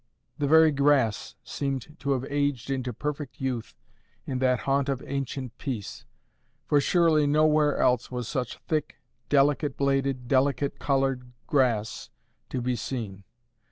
The very grass seemed to have aged into perfect youth in that "haunt of ancient peace;" for surely nowhere else was such thick, delicate bladed, delicate coloured grass to be seen.